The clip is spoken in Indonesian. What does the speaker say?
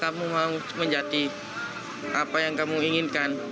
kamu mau menjadi apa yang kamu inginkan